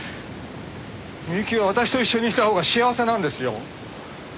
美雪は私と一緒にいたほうが幸せなんですよ。